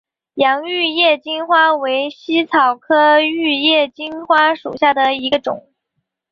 洋玉叶金花为茜草科玉叶金花属下的一个种。